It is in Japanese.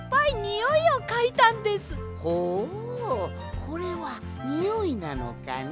ほうこれはにおいなのかね。